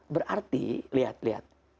berarti lihat lihat